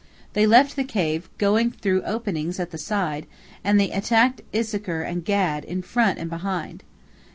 They left the cave, going through openings at the side, and they attacked Issachar and Gad in front and behind.